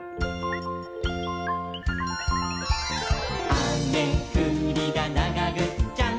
「あめふりだ、ながぐっちゃん！！」